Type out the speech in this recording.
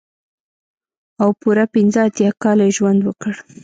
او پوره پنځه اتيا کاله يې ژوند وکړ.